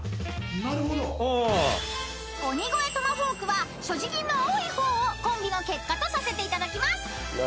［鬼越トマホークは所持金の多い方をコンビの結果とさせていただきます］